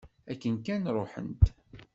Akken kan ruḥent.